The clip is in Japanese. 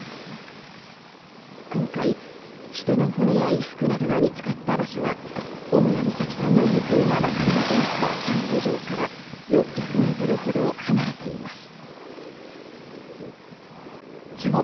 今回、人の骨や衣服などが見つかった場所は小倉美咲さんの行方が分からなくなったキャンプ場から６００ｍほど離れています。